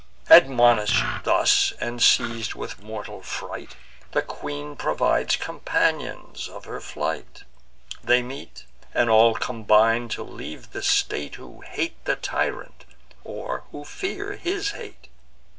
Admonish'd thus, and seiz'd with mortal fright, The queen provides companions of her flight: They meet, and all combine to leave the state, Who hate the tyrant, or who fear his hate.